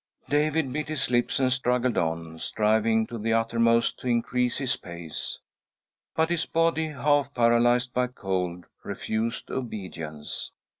" David bit his lips and struggled on, striving to the uttermost to increase his pace ; but his body, half paralysed by cold, refused obedience.